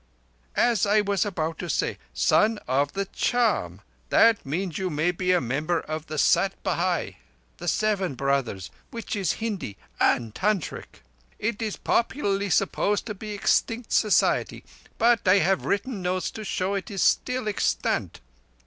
"As I was about to say, 'Son of the Charm' means that you may be member of the Sat Bhai—the Seven Brothers, which is Hindi and Tantric. It is popularly supposed to be extinct Society, but I have written notes to show it is still extant.